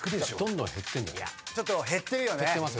ちょっと減ってるよね？